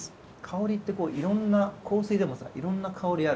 香りっていろんな香水でもさいろんな香りあるじゃん。